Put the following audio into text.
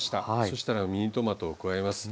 そしたらミニトマトを加えます。